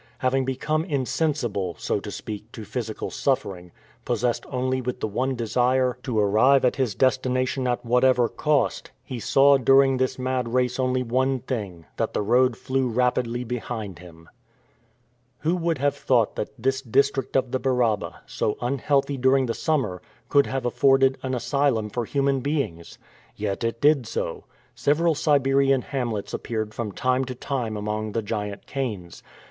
Having become insensible, so to speak, to physical suffering, possessed only with the one desire to arrive at his destination at whatever cost, he saw during this mad race only one thing that the road flew rapidly behind him. Who would have thought that this district of the Baraba, so unhealthy during the summer, could have afforded an asylum for human beings? Yet it did so. Several Siberian hamlets appeared from time to time among the giant canes.